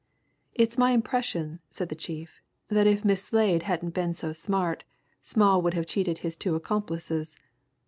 "It's my impression," said the chief, "that if Miss Slade hadn't been so smart, Schmall would have cheated his two accomplices.